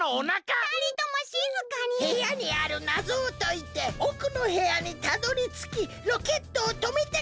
へやにあるなぞをといておくのへやにたどりつきロケットをとめてください！